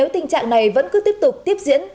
tình trạng này vẫn cứ tiếp tục tiếp diễn